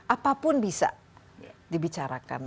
apapun bisa dibicarakan